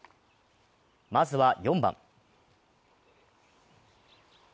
まずは４番。